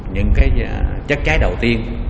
những cái chất trái đầu tiên